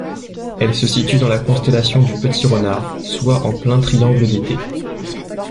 Elle se situe dans la constellation du Petit Renard, soit en plein Triangle d'été.